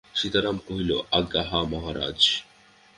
সীতারাম কহিল, আজ্ঞা, হাঁ মহারাজ।